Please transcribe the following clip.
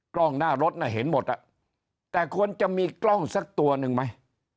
กล้องหน้ารถน่ะเห็นหมดอ่ะแต่ควรจะมีกล้องสักตัวหนึ่งไหม